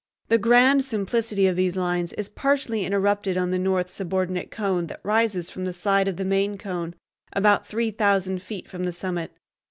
The grand simplicity of these lines is partially interrupted on the north subordinate cone that rises from the side of the main cone about three thousand feet from the summit.